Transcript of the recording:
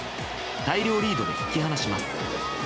大量リードで引き離します。